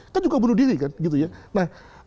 kan juga bunuh diri kan gitu ya